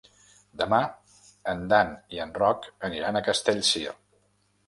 Demà en Dan i en Roc aniran a Castellcir.